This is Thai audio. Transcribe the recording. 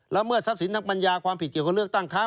เมิดทรัพย์สินทางปัญญาความผิดเกี่ยวกับเลือกตั้งค้า